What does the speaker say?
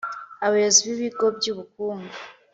abayobozi b’ibigo by’ubukungu